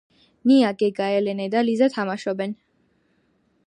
ნია გეგა ელენე და ლიზა თამაშობენ